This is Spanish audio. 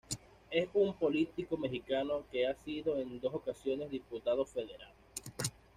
Es un político mexicano que ha sido en dos ocasiones Diputado Federal.